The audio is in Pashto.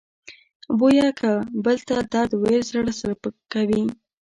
بویه که بل ته درد ویل زړه سپکوي.